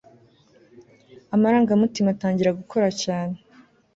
amarangamutima atangira gukora cyane